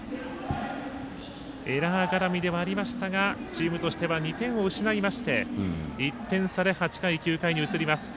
エラー絡みではありましたがチームとしては２点を失いまして１点差で８回、９回に移ります。